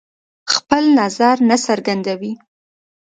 خپل نظر نه څرګندوي.